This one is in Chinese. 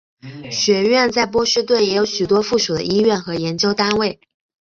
学院在波士顿也有许多附属的医院和研究单位。